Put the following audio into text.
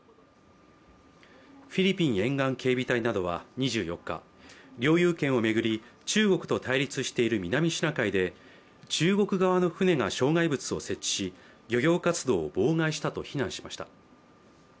フィリピン沿岸警備隊などは２４日領有権を巡り中国と対立している南シナ海で中国側の船が障害物を設置し漁業活動を妨害したと非難しました。